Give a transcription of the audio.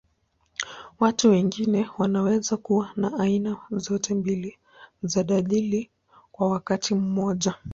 Watu wengine wanaweza kuwa na aina zote mbili za dalili kwa wakati mmoja.